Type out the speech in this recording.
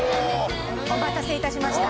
お待たせ致しました。